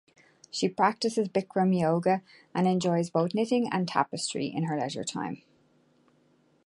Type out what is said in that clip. She practices Bikram Yoga and enjoys both knitting and tapestry in her leisure time.